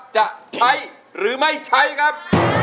จะใช้หรือไม่ใช้ครับ